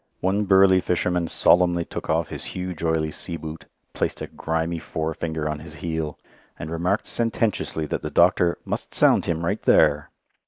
One burly fisherman solemnly took off his huge oily sea boot, placed a grimy forefinger on his heel, and remarked sententiously that the doctor "must sound him right there."